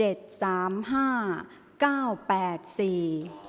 ออกรางวัลที่๖